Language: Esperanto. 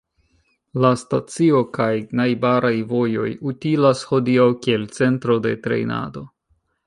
La stacio kaj najbaraj vojoj utilas hodiaŭ kiel centro de trejnado.